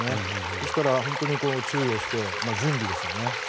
ですから、本当に注意をして準備ですよね。